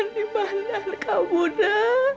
dimana kau muda